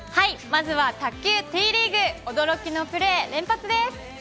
まずは卓球Ｔリーグ、驚きのプレー、連発です。